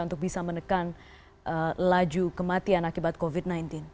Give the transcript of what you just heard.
untuk bisa menekan laju kematian akibat covid sembilan belas